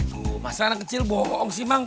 aduh masalah kecil bohong si mang